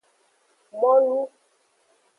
Molu.